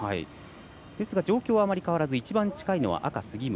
ですが状況は変わらず一番近いのは赤、杉村。